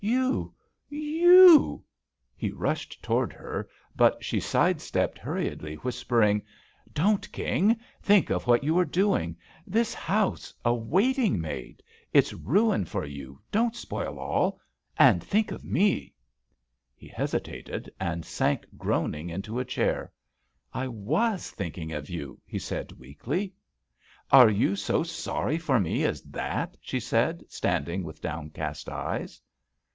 "You I You I" He rushed toward her, but she side stepped hur riedly, whispering: JUST SWEETHEARTS "Don't, King I Think of what you are doing I This house, a waiting maid I It's ruin for you I Don't spoil all I And think of me I" He hesitated and sank groaning into a chair. "I was thinking of you," he said weakly. "Are you so sorry for me as that?" she said, standing with downcast eyes.